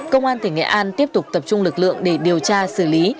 công an tỉnh nghệ an tiếp tục tập trung lực lượng để điều tra xử lý